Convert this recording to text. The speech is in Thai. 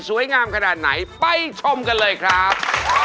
งามขนาดไหนไปชมกันเลยครับ